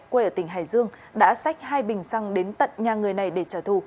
quê ở tỉnh hải dương đã xách hai bình xăng đến tận nhà người này để trả thù